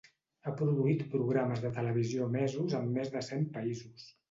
Ha produït programes de televisió emesos en més de cent països.